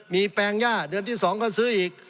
มีแปลงย่าเดือนที่๒ก็ซื้ออีก